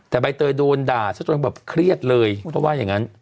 แต่ใบเตยโดนด่าซะจนแบบเครียดเลยเขาว่าอย่างนั้น